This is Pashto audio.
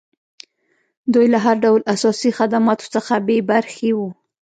دوی له هر ډول اساسي خدماتو څخه بې برخې وو.